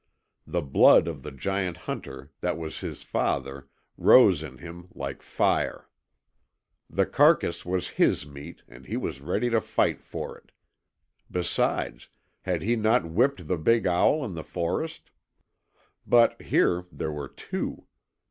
The blood of the giant hunter that was his father rose in him again like fire. The carcass was his meat, and he was ready to fight for it. Besides, had he not whipped the big owl in the forest? But here there were two.